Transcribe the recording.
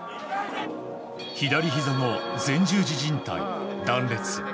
左ひざの前十字じん帯断裂。